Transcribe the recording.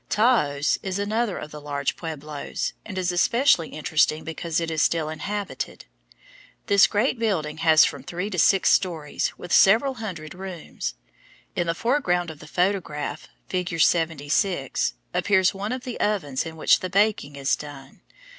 Taos is another of the large pueblos, and is especially interesting because it is still inhabited. This great building has from three to six stories with several hundred rooms. In the foreground of the photograph (Fig. 76) appears one of the ovens in which the baking is done.